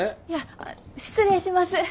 いや失礼します。